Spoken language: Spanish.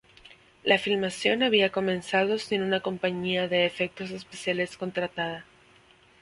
La filmación había comenzado sin una compañía de efectos especiales contratada.